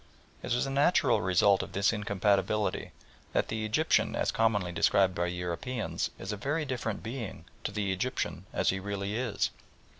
It is a natural result of this incompatibility that the Egyptian as commonly described by Europeans is a very different being to the Egyptian as he really is.